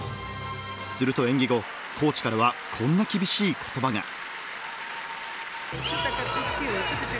すると演技後コーチからはこんな厳しい言葉が。